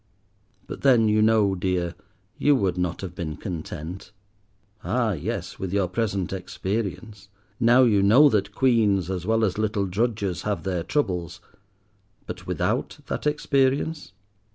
But then you know, dear, you would not have been content. Ah yes, with your present experience—now you know that Queens as well as little drudges have their troubles; but without that experience?